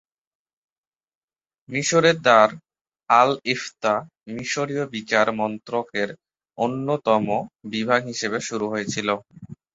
মিশরের দার আল-ইফতা মিশরীয় বিচার মন্ত্রকের অন্যতম বিভাগ হিসাবে শুরু হয়েছিল।